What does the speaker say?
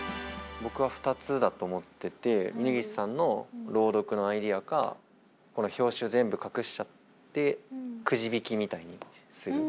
僕は２つだと思ってて峯岸さんの朗読のアイデアかこの表紙を全部隠しちゃってくじ引きみたいにする。